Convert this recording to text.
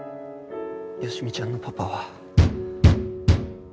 好美ちゃんのパパは。